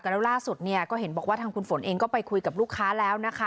แล้วล่าสุดเนี่ยก็เห็นบอกว่าทางคุณฝนเองก็ไปคุยกับลูกค้าแล้วนะคะ